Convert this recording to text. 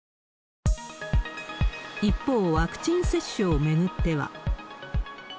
一方、ワクチン接種を巡っては。